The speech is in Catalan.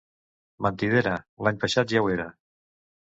Mentidera! / —L'any passat ja ho era!